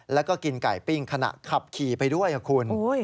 และกินไก่ปิ้งขณะขับขี่ไปด้วยครับคุณ